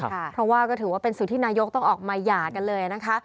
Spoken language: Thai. เพราะว่าก็ถือว่าเป็นสูตรที่นายกต้องออกมาหย่ากันเลยนะคะ